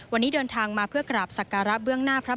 วันนี้เดินทางมาเพื่อกราบสักการะเบื้องหน้าพระ